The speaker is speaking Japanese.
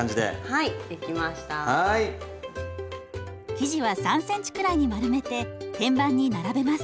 生地は３ｃｍくらいに丸めて天板に並べます。